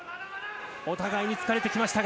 お互いに疲れてきましたが。